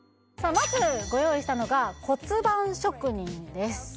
まずご用意したのが骨盤職人です